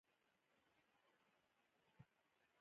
کچالو د فاسټ فوډ اساسي برخه ده